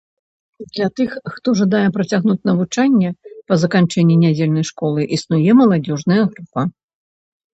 Для тых, хто жадае працягнуць навучанне па заканчэнні нядзельнай школы, існуе маладзёжная група.